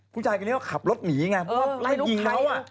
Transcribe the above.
ผู้ชายคนนี้ก็ขับรถหนีไงเพราะว่าไล่ยิงเขา